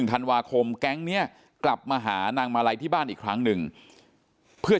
ธันวาคมแก๊งนี้กลับมาหานางมาลัยที่บ้านอีกครั้งหนึ่งเพื่อ